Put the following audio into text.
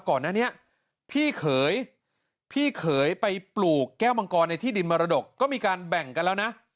ก่อนหน้านี้พี่เขยพี่เขยไปปลูกแก้วมังกรในที่ดินมรดกก็มีการแบ่งกันแล้วนะ